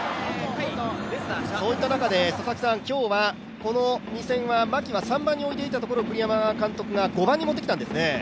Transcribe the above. そういった中で今日はこの２戦は牧を３番に置いていたところを栗山監督が５番に持ってきたんですね。